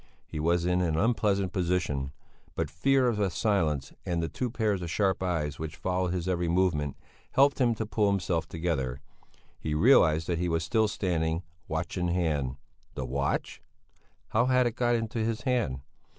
He was in an unpleasant position, but fear of a silence and the two pairs of sharp eyes which followed his every movement, helped him to pull himself together. He realized that he was still standing, watch in hand. The watch? How had it got into his hand?